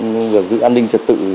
được giữ an ninh trật tựu